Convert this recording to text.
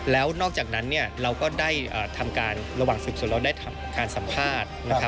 แล้วนอกจากนั้นเราก็ได้ทำการระหว่างสืบสวนเราได้ทำการสัมภาษณ์